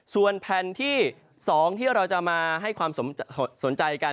ส่วนแผ่นที่๒ที่เราจะมาให้ความสนใจกัน